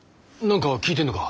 何か聞いてんのか？